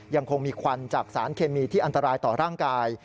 ยังคงมีควันจากสารเคมีที่อันตรายต่อร่างกาย